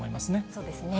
そうですね。